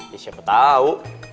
ya siapa tau